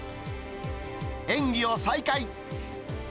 演技を再開。